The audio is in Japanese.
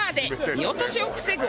見落としを防ぐ